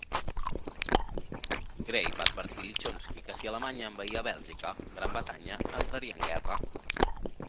Grey va advertir a Lichnowsky que si Alemanya envaïa Bèlgica, Gran Bretanya entraria en guerra.